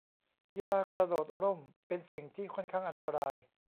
กีฬากระโดดร่ม เป็นสิ่งที่ค่อนข้างอันตราย